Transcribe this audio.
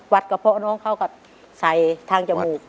กระเพาะน้องเขาก็ใส่ทางจมูก